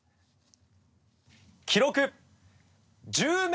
記録。